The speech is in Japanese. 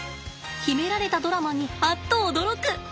秘められたドラマにあっと驚く。